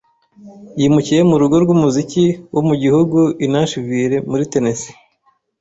yimukiye mu rugo rw'umuziki wo mu gihugu i Nashville, muri Tennesse.